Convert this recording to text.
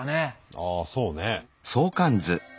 あそうね。